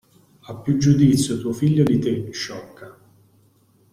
Ha più giudizio tuo figlio di te, sciocca.